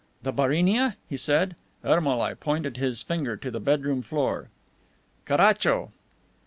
"The Barinia?" he said. Ermolai pointed his finger to the bedroom floor. "Caracho!"